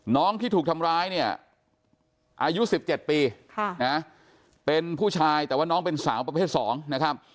น้องที่ถูกทำร้ายเนี่ยอายุ๑๗ปีเป็นผู้ชายแต่ว่าน้องเป็นสาวประเภท๒นะครับ